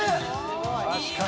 確かに。